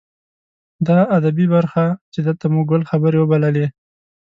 دا ادبي برخه چې دلته مو ګل خبرې وبللې.